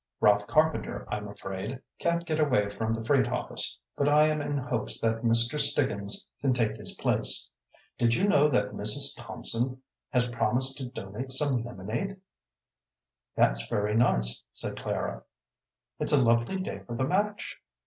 Ralph Carpenter, I'm afraid, can't get away from the freight office, but I am in hopes that Mr. Stiggins can take his place. Did you know that Mrs. Thompson has promised to donate some lemonade?" "That's very nice," said Clara. "It's a lovely day for the match."